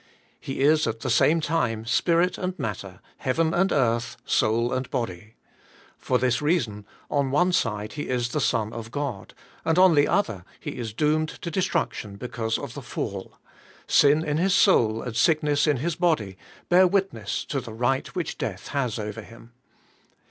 He is at the same lime spirit and mailer, heaven and earth, soiri and body. Pop thfa reason, on one side he is the son ot God, and on the other he is doomed to de struction because of the Fall; sin In Ilia soul and sickness in has body bear wit ness to the right which death has over him.